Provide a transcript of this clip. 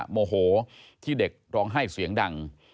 โมโหที่เด็กร้องไห้เสียงดัง